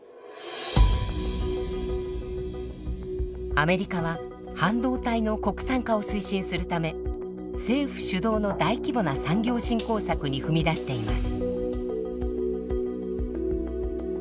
アメリカは半導体の国産化を推進するため政府主導の大規模な産業振興策に踏み出しています。